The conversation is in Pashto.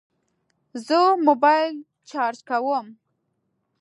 زه موبایل چارج کوم